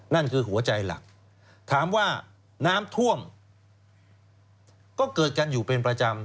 นั่นคือหัวใจหลักถามว่าน้ำท่วมก็เกิดกันอยู่เป็นประจำ